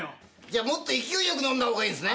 じゃあもっと勢いよく飲んだ方がいいですね。